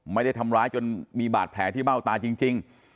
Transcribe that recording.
ไม่ได้ทำร้ายจนมีบาดแผลที่เบ้าตาจริง